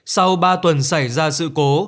sau ba tuần xảy ra sự cố